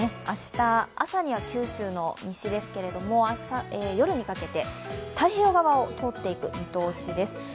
明日、朝には九州の西ですけれども夜にかけて太平洋側を通っていく見通しです。